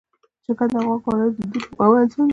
چرګان د افغان کورنیو د دودونو مهم عنصر دی.